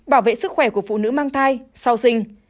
bảo vệ sức khỏe của phụ nữ mang thai sau sinh